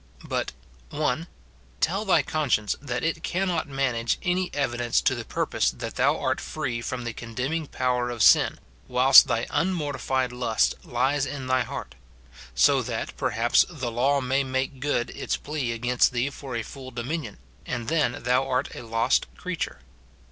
But, — [1.] Tell thy conscience that it cannot manage any evidence to the purpose that thou art free from the con demning power of sin, whilst thy unmortified lust lies in thy heart ; so that, perhaps, the law may make good its plea against thee for a full dominion, and then thou art a lost creature.